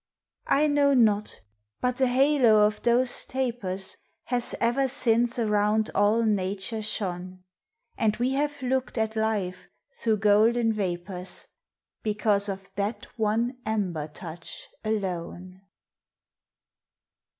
I know not, but the halo of those tapers Has ever since around all nature shone; And we have looked at life through golden vapors Because of that one ember touch alone.